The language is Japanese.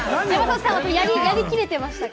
やりきれてましたか？